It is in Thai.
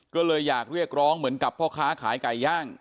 ก็เลยอยากเรียกร้องเหมือนกับพ่อค้าขายไก่ย่าง